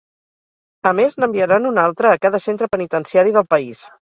A més, n’enviaran un altre a cada centre penitenciari del país.